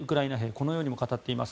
このようにも語っています。